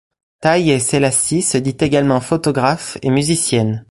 Taiye Selasi se dit également photographe et musicienne.